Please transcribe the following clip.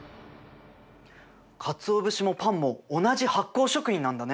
かつお節もパンも同じ発酵食品なんだね。